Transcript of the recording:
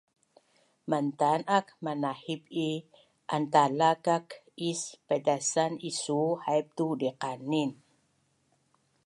Mantan ak manahip i antalakak is paitasan isu haip tu diqanin